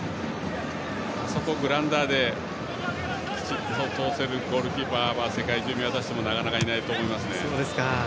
そこをグラウンダーできちっと通せるキーパーは世界中、見渡してもなかなかいないと思います。